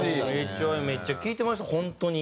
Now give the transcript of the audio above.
ＨＹめっちゃ聴いてました本当に。